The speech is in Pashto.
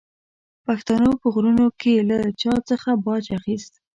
پښتنو په غرونو کې له چا څخه باج اخیست.